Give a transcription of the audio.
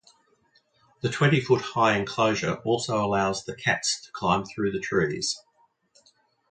The twenty-foot high enclosure also allows the cats to climb through the trees.